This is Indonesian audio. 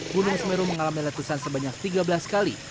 gunung semeru mengalami letusan sebanyak tiga belas kali